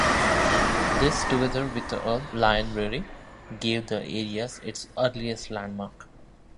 These, together with the Lion Brewery, gave the area its earliest landmarks.